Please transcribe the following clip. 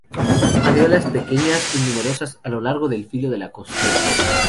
Areolas pequeñas y numerosas a lo largo del filo de la costilla.